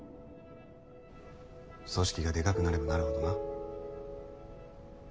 組織がでかくなればなるほどな。